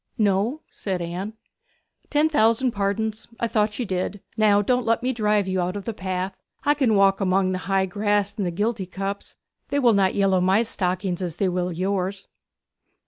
'No,' said Anne. 'Ten thousand pardons. I thought you did. Now don't let me drive you out of the path. I can walk among the high grass and giltycups they will not yellow my stockings as they will yours.